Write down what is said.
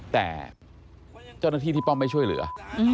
แต่เจ้าหน้าที่ที่ป้อมไม่ช่วยเหลือ